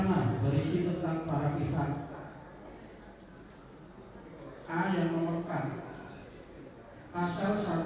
saya disitu hanya makan berfoto saya hanya berbicara singkat